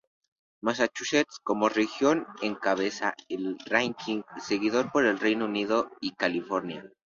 Massachusetts, como región, encabeza el "ranking", seguido por el Reino Unido y California.